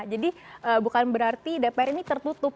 jadi bukan berarti dpr ini tertutup